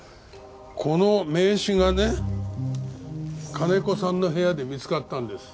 この名刺がね金子さんの部屋で見つかったんです。